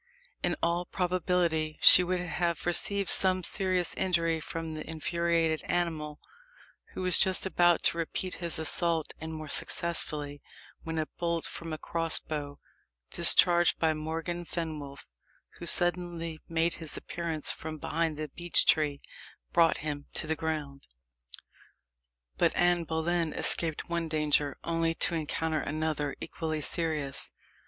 In all probability she would have received some serious injury from the infuriated animal, who was just about to repeat his assault and more successfully, when a bolt from a cross bow, discharged by Morgan Fenwolf, who suddenly made his appearance from behind the beech tree, brought him to the ground. But Anne Boleyn escaped one danger only to encounter another equally serious.